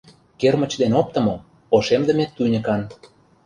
Кермыч ден оптымо, ошемдыме тӱньыкан